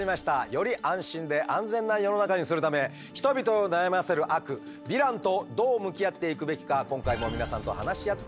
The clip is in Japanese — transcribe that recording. より安心で安全な世の中にするため人々を悩ませる悪ヴィランとどう向き合っていくべきか今回も皆さんと話し合ってまいりましょう。